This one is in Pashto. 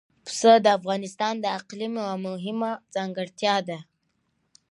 پسه د افغانستان د اقلیم یوه مهمه ځانګړتیا ده.